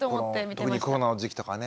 特にコロナの時期とかね